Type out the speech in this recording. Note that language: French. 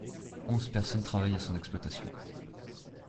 Onze personnes travaillent à son exploitation.